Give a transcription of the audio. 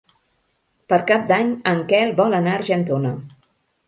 Per Cap d'Any en Quel vol anar a Argentona.